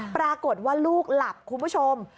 ปรากฏว่าลูกหลับคุณผู้ชม